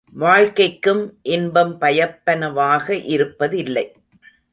வாழ்க்கைக்கும் இன்பம் பயப்பனவாக இருப்பதில்லை!